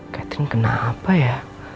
catherine kenapa ya